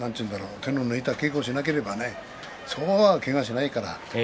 手の抜いた稽古をしなければそうはけがをしないからね。